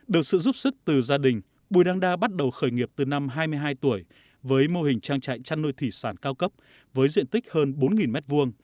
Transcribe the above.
được sự giúp sức từ gia đình bùi đăng đa bắt đầu khởi nghiệp từ năm hai mươi hai tuổi với mô hình trang trại chăn nuôi thủy sản cao cấp với diện tích hơn bốn m hai